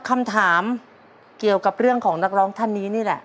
คำถามเกี่ยวกับเรื่องของนักร้องท่านนี้นี่แหละ